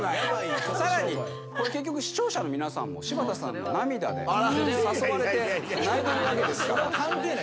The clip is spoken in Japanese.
さらに結局視聴者の皆さんも柴田さんの涙で誘われて泣いてるわけですから。